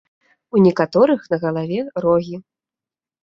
У некаторых на галаве рогі.